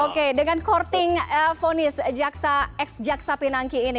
oke dengan korting ponis ex jaksa pinangki ini